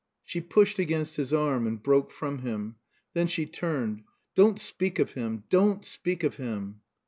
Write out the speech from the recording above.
She pushed against his arm and broke from him. Then she turned. "Don't speak of him! Don't speak of him!"